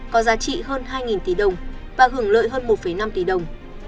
có giá trị hơn hai tỷ đồng và hưởng lợi hơn một năm tỷ đồng